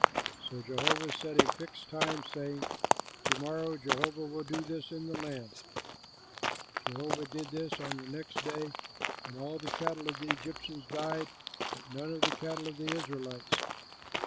'" So Jehovah set a fixed time, saying, "To morrow Jehovah will do this in the land." Jehovah did this on the next day, and all the cattle of the Egyptians died; but none of the cattle of the Israelites.